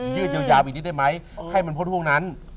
ยืดยาวอีกนิดได้ไหมให้มันพอทั่วงนั้น